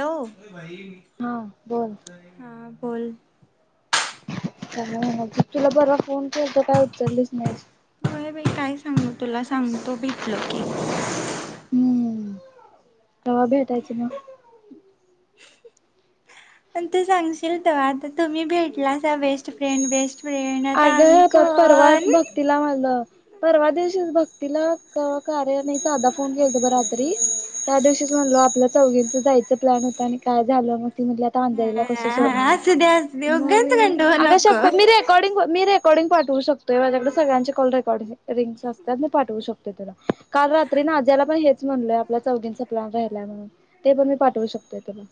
Hello हा बोल हा बोल ज तुला बरा फोन के तर काय उचललीच नाहीस काय बाई काय सांग तुला सांगतो भेटल की हम्म तवा भेटायचं म अ तू सांगशील त आता तुम्ही भेटला बेस्ट फ्रेंड बेस्ट फ्रेंड आता आगळ आम्ही होत परवाच कोण भघतीला मझलं परवा दिवशी भक्तीला कारय नाही साधा फोन केला त ब रात्री त्या दिवशीच म्हणलो आपल्या चौघींचं जायचं प्लॅन होत आणि काय झालं मग ती म्हट तांदेरीला कस हा सोडणार असू दे असू दे मग उगाच मी गंडवू आग श नको मी र मी रेकॉर्डिंग पाठव शकतोय माझ्याकडे सगळ्यांचे कल रेकॉर्डिंग रिंग्स असतात मी पाठवू शकतेो तुला काल रात्री ना ज्याला पण हे म्हणलोय आपला चौघींचा प्र्लान रा्हायलाय म्हणून ते पण मी पाठवू शकतोय तुला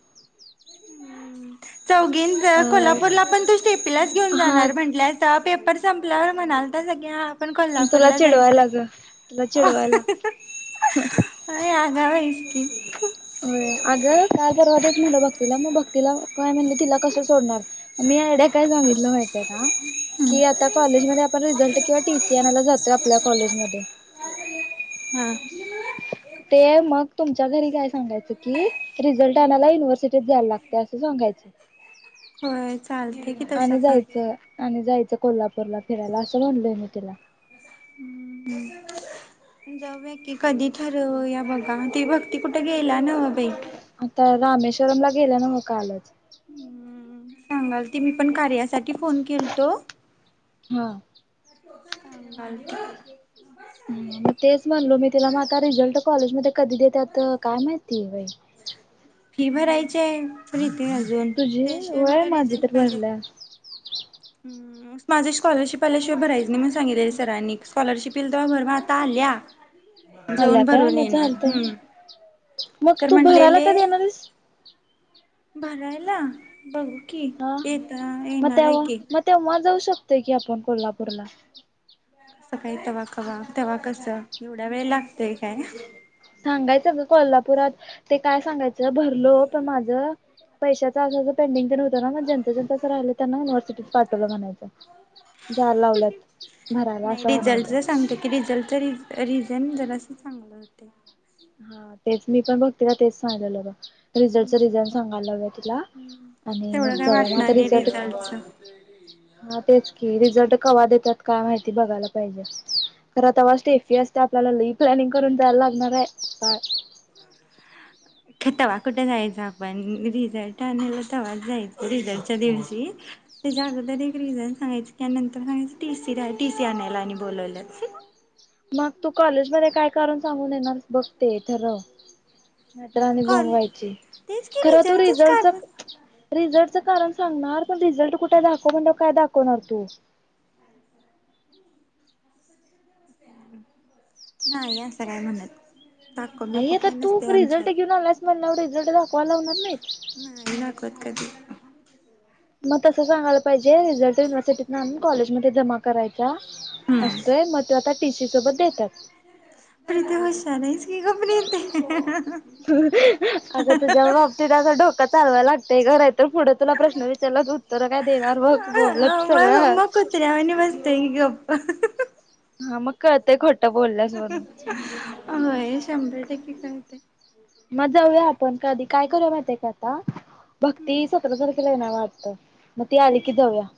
चौघी अ कोल्हापूरला पण तू सेपीलाच घेऊन हा जाणार म्हंटय पेपर संपल्यावर म्हणाल तर सगळ्या तुला कोल्हापूरला जायचं चिडवायला ग तुला चिडवायला [unintelligible] ह्या वेळीचं की. होय अगं काल परवा तेच म्हणलं भक्तीला मग भक्तीला काय म्हणले तिला कसं सोडणार मी, मी आइडिया काय झालेल माहितीय का, की आता काॅलेज मध्ये आपण रिझल्ट किंवा टीसी आणयला जातोय, आपल्या कॉलेजमध्ये हा. च्या घरी [unintelligible] सांगायच की रिझल्ट आणायला युनिव्हर्सिटीत जायला लागत असं सांगायचं. होय चालतंय की तसं आणि जायचं आणि जायचं कोल्हापूरला फिरायला असं म्हणलय मी तिला. [inaudible] करूया जाऊया की कधी ठरवूया, बघा ती भक्ती कुठे गेली? आता रामेश्वरमला गेल्या नव कालचं. सांगालती मी पण कार्यासाठी फोन केलतो. हा. [unintelligible] मग तेच म्हणलो, मी तिला म रिझल्ट कॉलेजमध्ये कधी देत्यात काय माहिती बाई? फी भरायची आहे, प्रिती अजून तुझी त्याशिवाय वय मला माझी रिझल्ट तर काय देत्यात. भरल्या माझी स्कॉलरशिप आल्याशिवाय भरायचं नाही म्हणून, सांगितलेलं सरांनी स्कॉलरशीप येईल तेव्हा भर म आता आल्या. या. आल्या काय आ मा चालतयं. मग तर तू भरायला म्हणलेले कधी येणार हाइस? भरायला बघू? की हा येता मग येणार आहे तेव्हा की. मग तेव्हा जाऊ शकतोय, की आपण कोल्हापूरला. आता काही तेव्हा कवा तेव्हा कसं एवढा वेळ लागतय काय? सांगायचं ग कोल्हापुरात ते काय सांगायचं भरलो पण माझं पैशाच असं पेंडिंग तेन होत ना, मग ज्यांच ज्यांच असं राहिलं त्यांना युनिव्हर्सिटत पाठवलं म्हणायचं. जायला लावलेत भरायला नाही असं म्हणायचं. रिझल्टच सांगतो की रिझल्टच रिझन जरासं चांगलं होत. हा तेच मी पण बघते, का तेच सांगितलेलं बरं. रिझल्टचं रिझन सांगायला लावुया तिला आणि तेवढं मग काय जाऊया मग आता वाटणार नाही रिझल्ट रिझल्टच हा तेच की रिझल्ट कवा देत्यात काय माहिती, बघायला पाहिजे? तर आता वा स्टेफी असते, आपल्याला लई प्लॅनिंग करून जायायला लागणार आहे काय? अगं तवा कुठे जायच आपण रिझल्ट आणयला तवाच जायच रिझल्टच्या दिवशी. त्याच्या अगोदर एक रिझन सांगायचं की नंतर सांगायचं, टी सी टी सी आणायला आणि बोलवल्यात. मग तू कॉलेज मध्ये काय कारण सांगून येणार, बघ ते ठरवं. नाही तर आणि बोंब कॉले व्हायची तेच की खरं तू काढ रिझल्टच रिझल्टच कारण सांगणार पण रिझल्ट कुठे दाखव, म्हणल्यावर काय दाखवणार तू? नाही असं काय म्हणत. दाखव बिको आय आता काय तू नसते आमच्यात रिझल्ट घेऊन आल्यास म्हणल्याव, रिझल्ट दाखवाव लावणार नाही. नाही दाखवत कधी? मग तस सांगयला पाहिजे रिझल्ट युिव्हर्सिटीत आणून कॉलेज मध्ये जमा करायचा हम्म असतोय, मग तो आता टी सी सोबत देत्यात. प्रीती हुशार हायस कि गं प्रिती [unintelligible] अगं तुझ्या बाबतीत असं डोकं चालवाय लागतय गं नाहीतर तर पुढं तुला प्रश्न विचारला उत्तर काय देणार बस बोंबलत सगळ्या ते गप्प [unintelligible] हा मग कळतय खोट बोलल्यास वरून. हो शंभर टक्के करते मग जाऊया आपण कधी काय करू माहिती का भघ त सतरा तारखेला आहे ना वाटत मग ती आली की जाऊया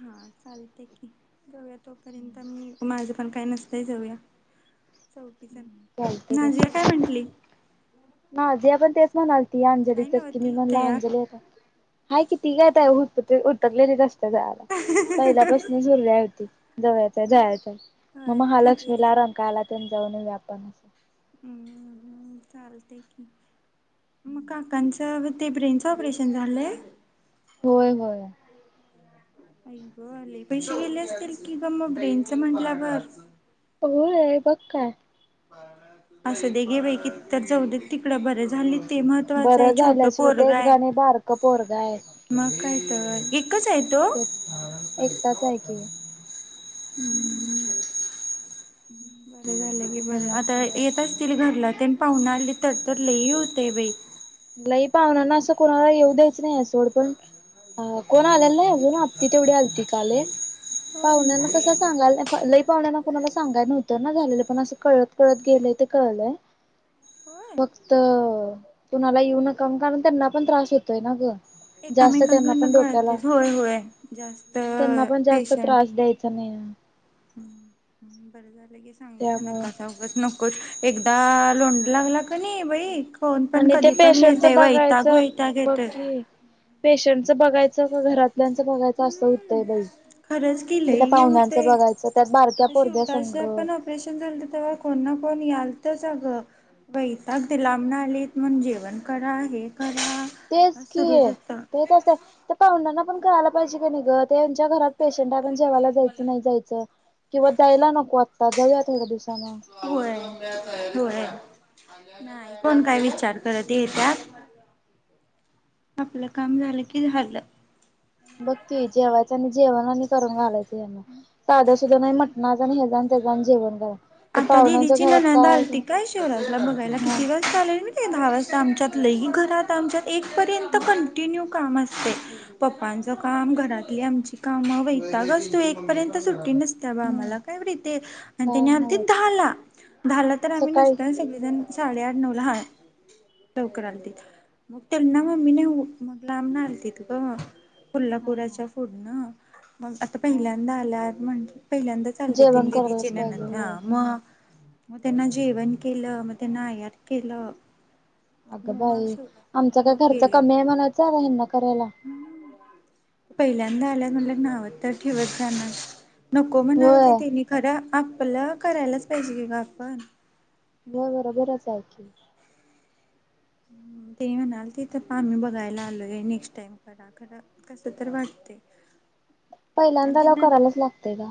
हा चालते की जाऊया तोपर्यंत मी माझ पण काही नसतय जाऊया चौकीण चालतंय नाझिया काय म्हटली ह जे आपण तेच म्हणाल ती अंजली तर कि मी ती म्हणला तयार अंजली आता हय किती कायता उतकलेली रस्त झाराला पहिल्यापासून झरली होती यचय जायचंय मग होय महालक्ष्मी ठरलंय. लारंग काला त्यां जाऊन व्यापण अस चालते की मग काक तर ते ब्रेनचं ऑपरेशन झालंय होय होय अई ग आले पैसे गेले असतील कि ग म ब्रेंच म्हटलावर पक्का असं दे घे बाै की तर जाऊ दे तिकडं बरं झाली ते महत्त्वाचं बरं आहे छोट झाल्याशिवाय पोरग तेच आहे गाणे बारकं पोरगं आहे मग काय तर एकच आहे तो तेच एकटाच आहे की हम्म बर झालं की काय बरं नवस आता हे असतंय येेतचतील घरला पाहुून आली तर तर लेही होते बाई लही पाहणार ना असं कोणाला येऊ द्यायच नाही सोड पण अ कोण आलेला नाही अजून आत्ती तेवढी आली त काले पाहुण्यांना होय कसं सांगाय लई पाहण्यां कोणाला सांगाय नव्हत तर ना झालेलं पण असं कळत कळत गेलंय ते कळलंय होय. फक्त कुणाला येऊ नकाम काून त्यांना पण त्रास होतोय ना ग जास्त त्यांना पण एकामेकांकडनं डोक्याला कळतंयच होय होय जास्त त्यांना पण जास्त त्रास द्यायचा नाही ह बरं झालं ग सांगूच त्यामुळं नका सगच नकोच एकदा लोंड लागला क नाही बाईक फोन पण आणि त्या कधी पण पेशंटच येतय वेताग बघायचं वहिताग बघ येतय की पेशंटचं बघायचं का घरातल्यांचं बघायचं असं हम्म होतंय बाई खरंच कीले त्या घेऊ ते पाहुण्यांचं बघायचं त्यात बारक्या आता पोरग्या शिवराच संघ पण ऑपरेशन झालं तेव्हा कोना कोण याल तर अगं वैताग दि लांबणा आलेत म्हण जेवण करा आहेत तेच की आहे ते तसं आहे तर पाहुडंना पण करायला पाहिजे का नाही गर त्यांच्या घरात पेशंट आपण जेवायला जायचं नाही जायचं किंवा जायला नको आत्ता जाऊयात एका दिवस स हो नाही कोण काय विचार करत येत्यात आपलं काम झालं की झालं बघ त जेवायचं आणि जेवण आणि करून घालायच साधं सुधा नाही म्हटणाचा आणि हे जाण ते जा जेवण करा ते आता पावण्यांच्या दिदीची घरात ननंद काय आलती काय शिवराला बघायला हा किती वाज चालेल ते दहा वाजता आमच्यात लही घरात आमच्यात एक पर्यंत कंटिन्यू काम असते प्प मा काम घरातली आची काम वतागच तू एक पर्यंत सुट्टी नसता हम्म आम्हाला काय आणि काय त्यानी आती हवंच झाला झाला तर आम्ही सकाळी नसतोय सगळेजण साडेआठ नऊ ला हा लवकर आणतील मग त्यांना हा मम्मीने मग लांब ना आलती त ग हा कोल्हापुराच्या फूड नां अत पण हा इला [unintelligible] म्हण पहिल्यांदा चालते त जेवण दिदी ची करायलाच पाहिजे ननंद होय मग मग त्यांना जेवण केलं मग त्यांना आयात केलं अगं मग बाई शिवरात आमचा काय मग खर्च गेले कमी आहे म्हणायचला व्यहीन करायला पहिला आल्या म्ह नावं तर ठेवत जाणार नको म्हणाल होय ते त्यांनी खरां आपलं करायलाच पाहिजे की ग आपण. बर बरोबरच आहे की. ते म्हणालतीत तिथं आम्ही बघायला आलोय नेक्स्ट टाइम करा खरा कस तर वाटतय. पहिल्यांदा लॉक करायलाच लागतय ग.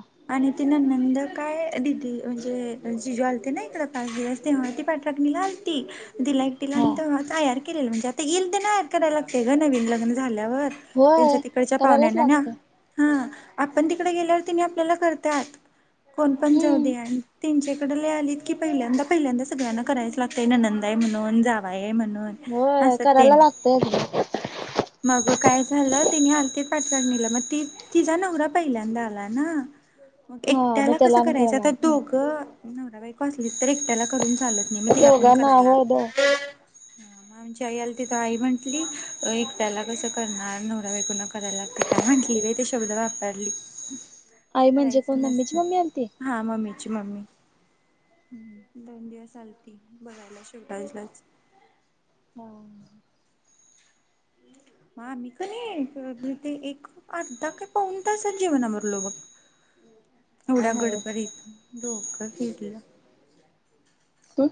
ति ननंद काय दिदी म्हणजे जिजू आलते ना इकडे पाच दिवस तेव्हा ती पाठराखनी ला आलं ती दि लाईकटीला हा आणि आयार केलेलं म्हणजे आता येईल, तर ना आयार करायला लागते ग नवीन लग्न झालं त्यांच्या होय तिकडच्या करायलाच पाहुण्यांना न लागतय हा. आपण तिकडे गेल्यावर ति आपल्याला करतात कोण पण जाऊ हम्म दे आणि त्यांचे आलीत की पहिल्यांदा पहिल्यांदा सगळ्यांना करायचं लागतय ननंद आहे म्हणून जावाय म्हणून. होय करायला असतेन लागतय एकदा मग ग काय झालं तिनी आलतीत पाठराखनीला मग ते तिचाा नवरा पहिल्यांदा आला ना. मग हा मग एकट्याला त्याला कसं आणि करायचं आता करायला दोघ नवरा बायको असलीत तर एकट्याला करून चालत नाही, मग तिला पण दोघांना करायला होय दो लागतय. ह म्हणजे आईला तिथं आई म्हटली एकट्याला कसं करणार नवरा बायकोन न करायला ते काय म्हटली का ते शब्द वापरली. आई म्हणजे कोण करायचं मम्मीची मम्मी आलती नसत हा मम्मीची मम्मी. दोन दिवस आलती बघायला शेवटायलाच. हो. [unintelligible] ह आम्ही का नाही एक अर्धा का पाऊन तासात जेवण आवरलो बग. [inaudible] एवढ्या नव्हच गडबडीत डोक फिरलं. [unintelligible]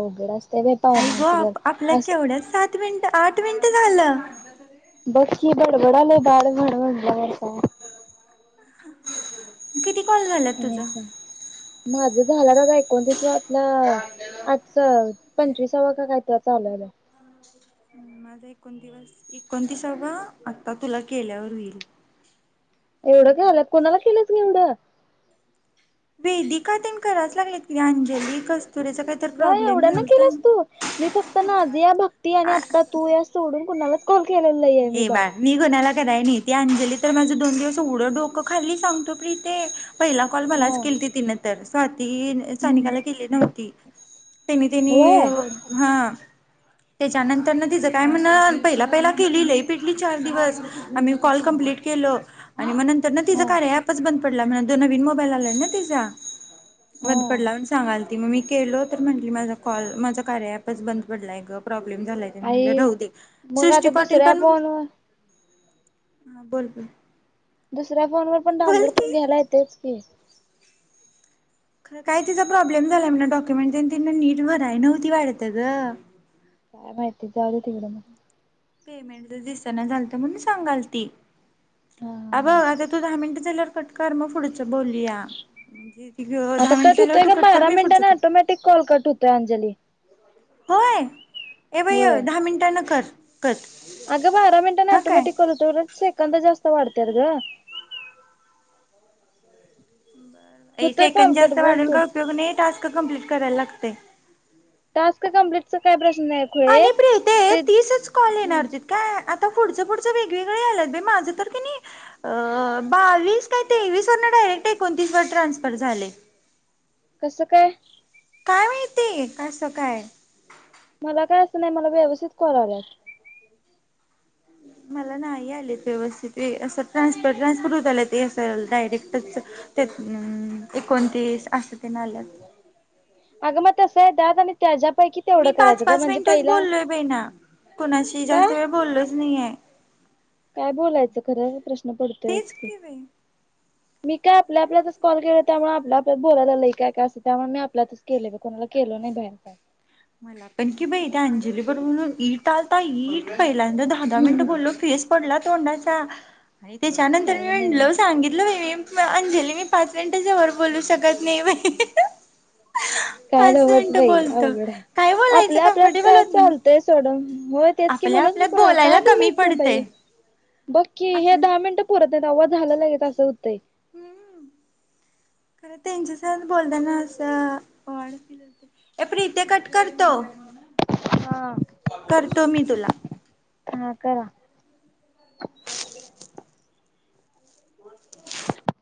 अवघड असं आई ग! आपल्या केवढ्या सात मिनट, आठ मिनिट झालं. बकी बडबडालय बाडबाड किती कॉल झालात तुझ? आणि काय माझं झालं आता एकोणतीस वातला आजच पंचवीसावा का काय तर चालू आहे [inaudible] माझा एकोणतिसावा आता तुला केल्यावर होईल. एवढं का आलात कंप्लीट. कोणाला केलीस ग येवढं? वेदीका तेन कराच लागल्यात ती अंजली कस ग एवढं ना केलंस तू मी फक्त नाझीया, भक्ती आणि आता तू या सोडून कुणालाच कॉल केलेला नाहीये मी ए बाळ मी कुणाला कराय नाही ती अंजली तर माझं दोन दिवस येवढ डोकं खाल्ली सांगतो प्रीते. पहिला कॉल हा मलाच केलती तिन तर सात. हम्म सानिकाला केली नव्हती त्यानी होय त्यांनी हा. त्याच्यानंतर ना तिचं काय म्हण पहिला पहिला पिल्ली लई पिडली चार दिवस आम्ही कॉल कमप्लीट केल आणि मग नंतर ना तिझं हा कार्य ऍपच बंद पडला म्हण, नवीन मोबाईल आलाय ना तिचा. वध हा पडला म्हण सांगाल ग मी केलं तर म्हणली माझ कॉल कार्य अँप च बंद पडलाय ग. प्रॉब् क्लेम झालंय ते म्हणले आई राहूदे. सृष्टी [unintelligible] ह बोल ग. दुसऱ्या फोन वर पण डाउनलोड करून घ्यायला येतेच की. खरं काय तिचा प्रॉब्लेम झालाय म्हण डॉक्युमेंट आणि ती नीट भराय नव्हती वाढतं ग. काय माहितीच आज उघडंन. पेमेंट जर दिसना झालत म्हणून सांगालती. हा अ बघ हा आता तू दहा मिनट झाल्यावर कटकर मग पुढ बोलूया म्हणजे त आता दहा मिनिटं कट होतोय झाल्यावर तु का कट कर मी पुढचं जली होय ए भ दहा मिनटां न कर कट अगं बारा मिनटांने हा टोमॅटिक काय करतो सेकंद जास्त क वाढतेर ग होतोय कॉल सेकंड कट जास्त बोल वाढून तू का उपयोग नाही टास्क कम्प्लीट करायला लागते टास्क कं्प्लीट काय प्रश् अप ते तीसच कॉल येणारजीित काय पुढच पुढच वेगवेगळे आत माझ बा का क्ट एकोणतीस वर ट्रान्सफर झा कसं काय काय माहितीय असं काय मला काय असं नाही मला व्यवस्ित करावत मला नाही आलेत व्यवस्थित असं ट्रान्सपर ट्रान्सफर होत आला ते अस डायरेक्टच तेम् एकोणतीस असं ते नाल्यात अग मग तसं आहे दात आणि त्याज मी पाच पाच मिनिटच बोललोय बे ना कुणाशी का जास्त वेळ बोललोच नाहीय काय बोलायचं खरं प्रश्न पडतोयच तेच की कि बाई मी काय आपल्या आपल्यातच कॉल केलं त्यामुळे आपल्या आपल्याला बोलायला आलंय काय काय असं त्यामुळे मी आपल्यातच केले कोणाला केलं नाही बनता मला पण कि बाई ते अंजली पर म्हणून ईट आलता ईट पहि दहा दहा मिनिट बोललो फेस पडला तोंडाचा अ त्याच्यानंतर मी काय नव्ह म्हणल सांगितलं म म अंजली मी पाच मिनिटांच्या वर बोलू शकत नाही बाहि काय नवज भाई अवघड आहे काय बोलायचं आपल्या आपल्यात कम्फर्टेबल काय होत नाही चालतय सोड होय तेच की आपल्या म्हणूनच मी आपल्यात कुणा काय बोलायला कमी बोलायचं पडते बाई बक्की हे आपल दहा मिनिटं पुरत नाही आवाज झाला लागे असं होतंय हम्म खरं त्यांच्यासह बोलताना असं वाड ए प्रीिते कट करतो हा करतो मी तुला हा करा